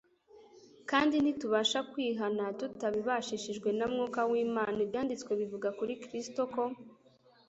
Kandi ntitubasha kwihana tutabibashishijwe na Mwuka w’Imana. Ibyanditswe bivuga kuri Kristo ko,